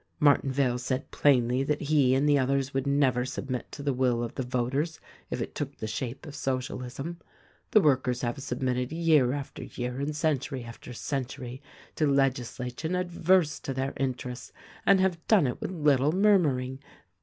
Martinvale said plainly that he and the others would never submit to the will of the voters if it took the shape of Socialism. The workers have 234 THE RECORDING ANGEL submitted year after year and century after century to legis lation adverse to their interests, and have done it with little murmuring.